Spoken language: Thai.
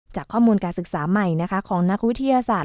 จากข้อมูลการศึกษาใหม่ของนักวิทยาศาสตร์